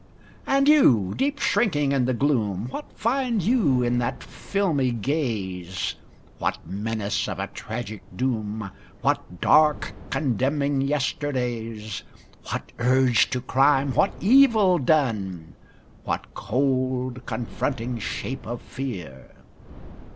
And You, deep shrinking in the gloom, What find you in that filmy gaze? What menace of a tragic doom? What dark, condemning yesterdays? What urge to crime, what evil done? What cold, confronting shape of fear?